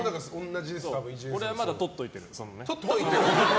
俺はまだとっておいてる。